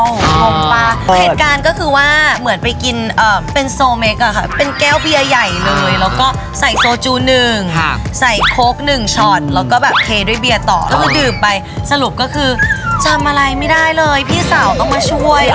เหตุการณ์ก็คือว่าเหมือนไปกินเป็นโซเมคอะค่ะเป็นแก้วเบียร์ใหญ่เลยแล้วก็ใส่โซจูหนึ่งใส่โค้ก๑ช็อตแล้วก็แบบเทด้วยเบียร์ต่อก็คือดื่มไปสรุปก็คือจำอะไรไม่ได้เลยพี่สาวต้องมาช่วย